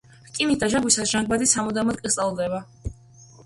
რკინის დაჟანგვისას, ჟანგბადი სამუდამოდ კრისტალდება.